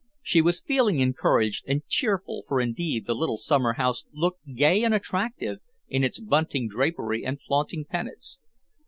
She was feeling encouraged and cheerful for indeed the little summer house looked gay and attractive in its bunting drapery and flaunting pennants.